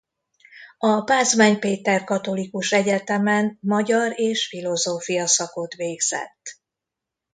A Pázmány Péter Katolikus Egyetemen magyar és filozófia szakot végzett.